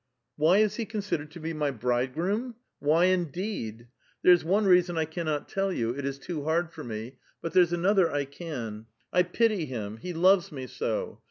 '• Why is he considered to be my bridegroom? why, indeed? There's one reason 1 cannot tell you ; it is too hard for me : but there's another 1 can. I pity him ; he loves me so